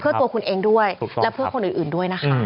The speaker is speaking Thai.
เพื่อตัวคุณเองด้วยและเพื่อคนอื่นด้วยนะคะ